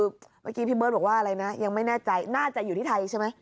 คือเมื่อกี้พี่เบิร์ตบอกว่าอะไรนะยังไม่แน่ใจน่าจะอยู่ที่ไทยใช่ไหม